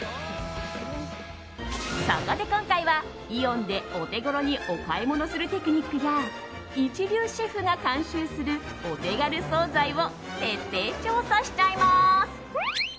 そこで今回はイオンでお手ごろにお買いものするテクニックや一流シェフが監修するお手軽総菜を徹底調査しちゃいます。